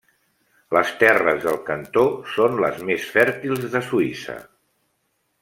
Les terres del cantó són les més fèrtils de Suïssa.